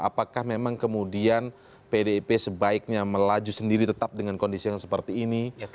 apakah memang kemudian pdip sebaiknya melaju sendiri tetap dengan kondisi yang seperti ini